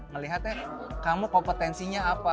ngelihatnya kamu kompetensinya apa